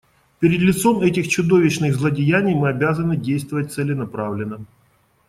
Перед лицом этих чудовищных злодеяний мы обязаны действовать целенаправленно.